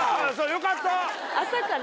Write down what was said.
よかった！